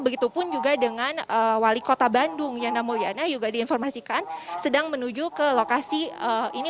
begitupun juga dengan wali kota bandung yana mulyana juga diinformasikan sedang menuju ke lokasi ini